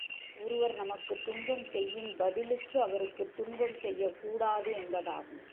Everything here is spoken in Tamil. ஒருவர் நமக்குத் துன்பம் செய்யின், பதிலுக்கு அவருக்குத் துன்பம் செய்யக்கூடாது என்பதாகும்.